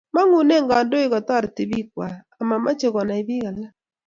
Mangune kandoik katareti piik kwai amamche konai piik alak